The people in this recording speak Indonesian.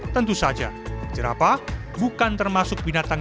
tentu saja jerapa bukan termasuk binatangnya